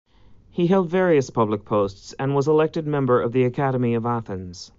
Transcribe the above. He held various public posts and was elected member of the Academy of Athens.